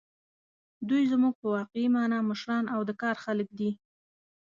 دوی زموږ په واقعي مانا مشران او د کار خلک دي.